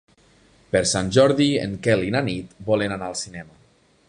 Per Sant Jordi en Quel i na Nit volen anar al cinema.